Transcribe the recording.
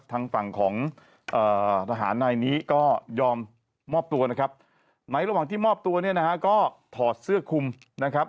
ทางฝั่งของทหารนายนี้ก็ยอมมอบตัวนะครับไหนระหว่างที่มอบตัวเนี่ยนะฮะก็ถอดเสื้อคุมนะครับ